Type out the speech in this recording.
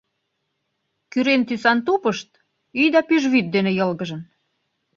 Кӱрен тӱсан тупышт ӱй да пӱжвӱд дене йылгыжын.